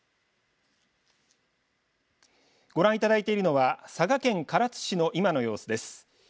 ご覧いただいているのは佐賀県唐津市の今の様子です。